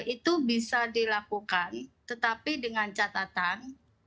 itu bisa dilakukan tetapi dengan catatan